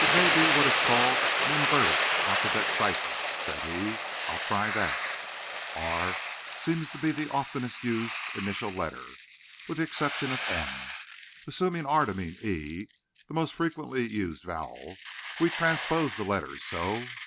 "It may be what is called an inverted alphabet cipher," said he. "I'll try that. 'R' seems to be the oftenest used initial letter, with the exception of 'm.' Assuming 'r' to mean 'e', the most frequently used vowel, we transpose the letters—so."